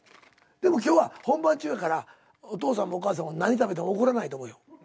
でも今日は本番中やからお父さんもお母さんも何食べても怒らないと思うよ。